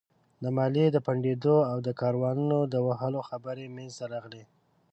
د ماليې د پټېدو او د کاروانونو د وهلو خبرې مينځته راغلې.